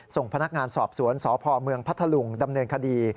ส่งพนักงานสอบสวนสพเมืองพัทธลุงดำเนินคดี